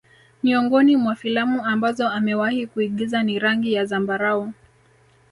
Miongoni mwa filamu ambazo amewahi kuigiza ni rangi ya zambarau